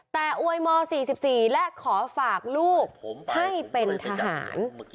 แต่อวยม๔๔และขอฝากลูกให้เป็นทหาร